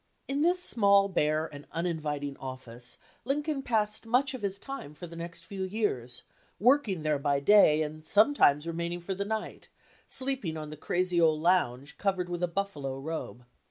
In this small, bare, and uninviting office Lin coln passed much of his time for the next few years, working there by day and sometimes re maining for the night, sleeping on the crazy old 75 LINCOLN THE LAWYER lounge, covered with a buffalo robe.